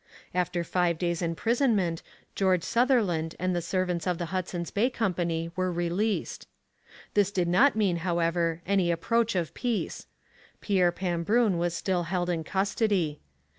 After five days' imprisonment George Sutherland and the servants of the Hudson's Bay Company were released. This did not mean, however, any approach of peace. Pierre Pambrun was still held in custody.